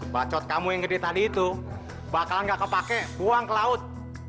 bacot kamu yang gede tadi itu bakal nggak kepake buang ke laut